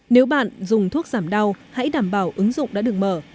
nếu bạn dùng thuốc giảm đau hãy đảm bảo ứng dụng đã được mở